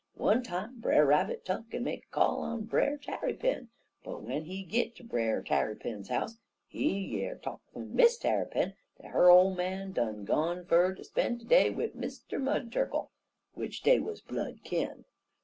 One time Brer Rabbit tuck'n make a call on Brer Tarrypin, but w'en he git ter Brer Tarrypin house, he year talk fum Miss Tarrypin dat her ole man done gone fer ter spen' de day wid Mr. Mud Turkle, w'ich dey wuz blood kin.